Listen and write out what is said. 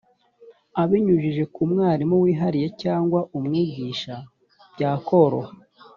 abinyujije ku mwarimu wihariye cyangwa umwigisha byakoroha